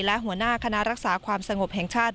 และหัวหน้าคณะรักษาความสงบแห่งชาติ